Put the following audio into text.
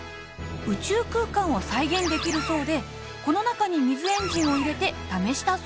宇宙空間を再現できるそうでこの中に水エンジンを入れて試したそうです。